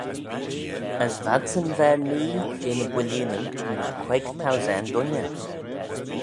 As v'adsyn v'er n'ee jeh ny bwilleenyn mysh queig thousane dooinney.